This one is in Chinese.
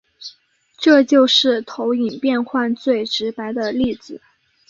这就是投影变换最直白的例子。